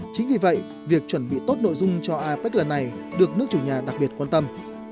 chính vì vậy việc chuẩn bị tốt nội dung cho apec lần này được nước chủ nhà đặc biệt quan tâm